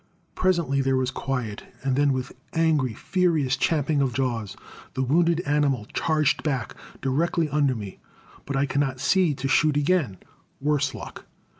Presently there was quiet, and then with angry, furious champing of jaws the wounded animal charged back directly under me; but I could not see to shoot again, worse luck.